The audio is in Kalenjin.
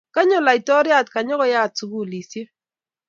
Kanyo laitoriat konyoko yat sugulisiek